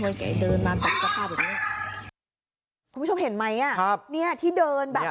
เพราะแกเดินมาตกตะข้าบเหมือนเนี้ยคุณผู้ชมเห็นไหมอ่ะครับเนี้ยที่เดินแบบ